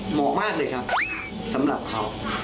เหมาะมากเลยครับสำหรับเขา